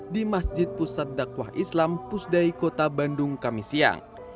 di masjid pusat dakwah islam pusdai kota bandung kamisiyang